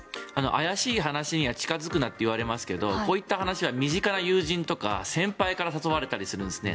怪しい話には近付くなと言われますけどこういった話は身近な友人とか先輩から誘われたりするんですね。